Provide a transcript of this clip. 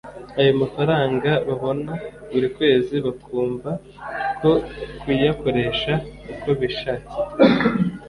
ayo mafaranga babona buri kwezi bakumva ko kuyakoresha uko bishakiye